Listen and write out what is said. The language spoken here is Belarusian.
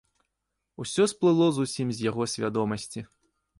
Усё сплыло зусім з яго свядомасці.